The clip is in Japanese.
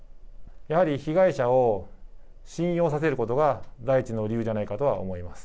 やはり被害者を信用させることが第一の理由じゃないかとは思います。